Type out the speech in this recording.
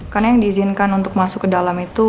karena yang diizinkan untuk masuk ke dalam itu